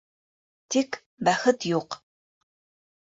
Тик... бәхет юҡ.